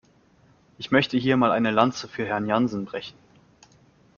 Ich möchte hier mal eine Lanze für Herrn Jansen brechen.